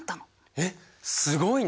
えっすごいね！